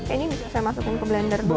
ini bisa saya masukkan ke blender dulu ya